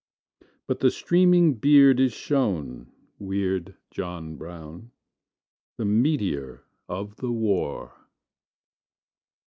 But the streaming beard is shown (Weird John Brown), The meteor of the the war.